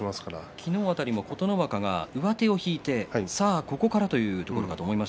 昨日辺り琴ノ若上手を引いて、さあここからというところだと思います。